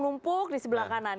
numpuk di sebelah kanan